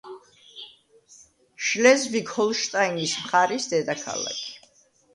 შლეზვიგ-ჰოლშტაინის მხარის დედაქალაქი.